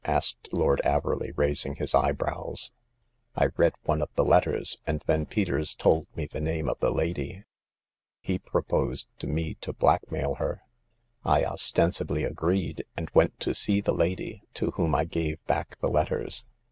" asked Lord Averley, raising his eyebrows. " I read one of the letters, and then Peters told me the name of the lady. He proposed to me to blackmail her. I ostensibly agreed, and went to see the lady, to whom I gave back the letters.